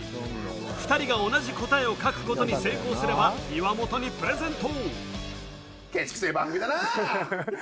２人が同じ答えを書くことに成功すれば岩本にプレゼント。